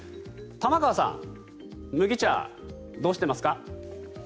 玉川さん、麦茶どうしてますか？